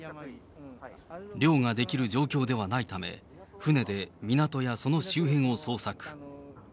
漁ができる状況ではないため、船で港やその周辺を捜索。